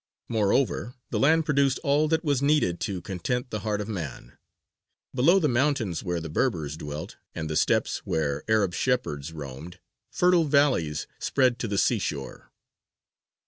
Moreover the land produced all that was needed to content the heart of man. Below the mountains where the Berbers dwelt and the steppes where Arab shepherds roamed, fertile valleys spread to the seashore.